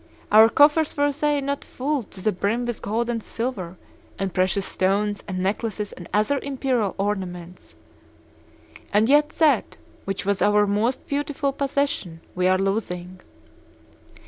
Our coffers were they not full to the brim with gold and silver and precious stones and necklaces and other imperial ornaments? And yet that which was our most beautiful possession we are losing!